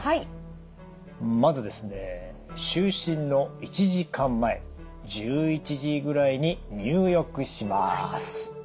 まずですね就寝の１時間前１１時ぐらいに入浴します。